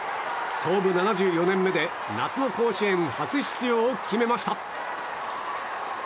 創部７４年目で夏の甲子園初出場を決めました。